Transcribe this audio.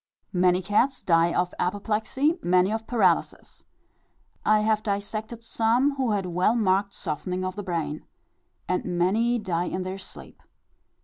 Many cats die of apoplexy, many of paralysis. I have dissected some who had well marked softening of the brain. And many die in their sleep.